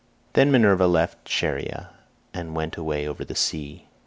Then Minerva left Scheria and went away over the sea.